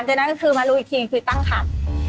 รวมเจ้านะก็คือมะลูอีกทีคือตั้งคำ